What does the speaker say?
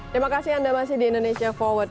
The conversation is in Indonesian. terima kasih anda masih di indonesia forward